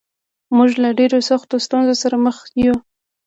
موږ له ډېرو سختو ستونزو سره مخامخ یو